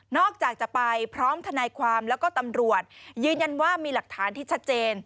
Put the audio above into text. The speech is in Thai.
จากจะไปพร้อมทนายความแล้วก็ตำรวจยืนยันว่ามีหลักฐานที่ชัดเจน